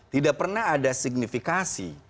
tidak pernah ada signifikansi